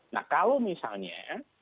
nah kalau misalnya